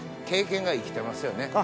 経験が生きてますよね。